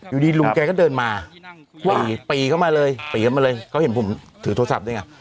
อยู่ดีลุงแกก็เดินมาวิ่งปีเข้ามาเลยปีเข้ามาเลยเขาเห็นผมถือโทรศัพท์ด้วยไง